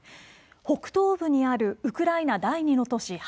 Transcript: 北東部にあるウクライナ第２の都市